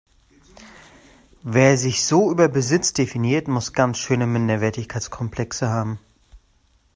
Wer sich so über Besitz definiert, muss ganz schöne Minderwertigkeitskomplexe haben.